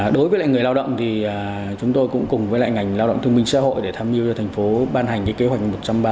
đối với người lao động thì chúng tôi cũng cùng với ngành lao động thông minh xã hội để tham dự cho thành phố ban hành kế hoạch một trăm ba mươi năm